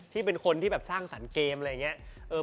ที่เป็นคนที่แบบสร้างสรรค์เกมอะไรอย่างนี้